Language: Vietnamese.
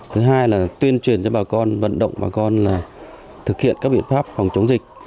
thứ hai là tuyên truyền cho bà con vận động bà con là thực hiện các biện pháp phòng chống dịch